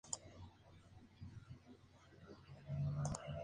Estaba en Bullock Creek mientras Dan y Ned Kelly se escondían de la policía.